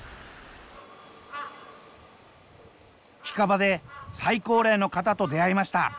干蒲で最高齢の方と出会いました。